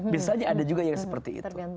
misalnya ada juga yang seperti itu